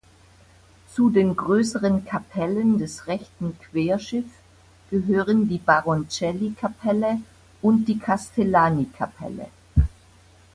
Zu den größeren Kapellen des rechten Querschiff gehören die Baroncelli-Kapelle und die Castellani-Kapelle.